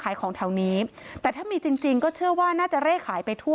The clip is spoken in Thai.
ของแถวนี้แต่ถ้ามีจริงจริงก็เชื่อว่าน่าจะเร่ขายไปทั่ว